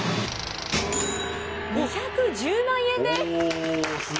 ２１０万円です！